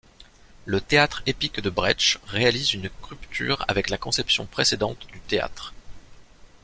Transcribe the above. Le théâtre épique de Brecht réalise une rupture avec la conception précédente du théâtre.